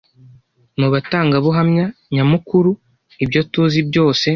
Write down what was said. Mu batangabuhamya nyamukuru. Ibyo tuzi byose